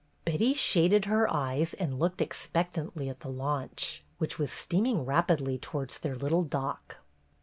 Betty shaded her eyes and looked expect antly at the launch, which was steaming rapidly towards their little dock.